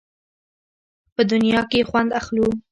په دنیا کې یې خوند اخلو.